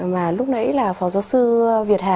mà lúc nãy là phó giáo sư việt hà